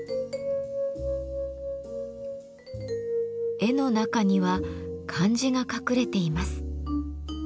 絵の中には漢字が隠れています。